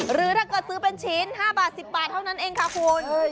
หรือถ้าก็ซื้อเป็นชิ้น๕๑๐บาทเท่านั้นแค่นั้นค่ะคุณ